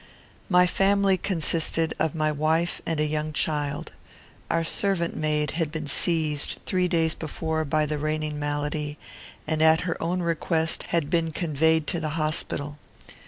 My family consisted of my wife and a young child. Our servant maid had been seized, three days before, by the reigning malady, and, at her own request, had been conveyed to the hospital.